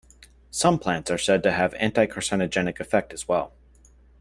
Some plants are said to have anti-caricogenic effect as well.